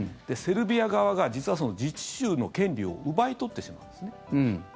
セルビア側が実は自治州の権利を奪い取ってしまうんですね。